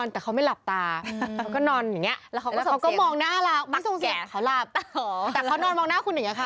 แต่ตมทุกคนก็กินข้าวเสร็จค่ะ